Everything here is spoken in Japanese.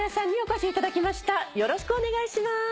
よろしくお願いします。